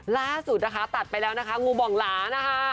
ล่าสุดนะคะตัดไปแล้วนะคะงูบ่องหลานะคะ